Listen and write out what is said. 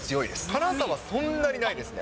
辛さはそんなにないですね。